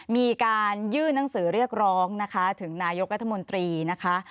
มีการยื่นหนังสือเรียกร้องนะคะถึงนายกรัฐมนตรีนะคะ